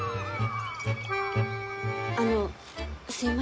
あのすみません。